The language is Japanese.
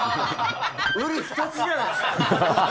うり二つじゃないですか。